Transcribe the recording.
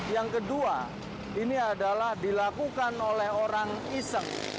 yang kedua ini adalah dilakukan oleh orang iseng